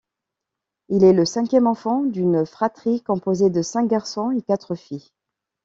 Il est le cinquième enfant d'une fratrie composée de cinq garçons et quatre filles.